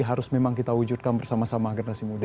harus memang kita wujudkan bersama sama generasi muda